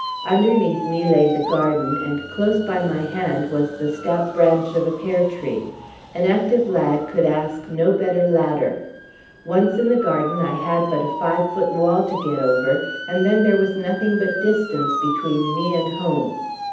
Underneath me lay the garden, and close by my hand was the stout branch of a pear tree. An active lad could ask no better ladder. Once in the garden I had but a five foot wall to get over, and then there was nothing but distance between me and home.